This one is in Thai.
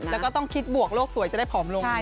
แล้วก็ต้องคิดบวกโลกสวยจะได้ผอมลง